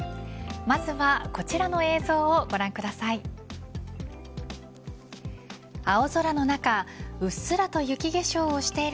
まずはこちらの映像をご覧ください。